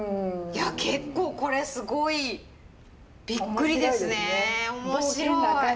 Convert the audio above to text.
いや結構これすごいびっくりですね。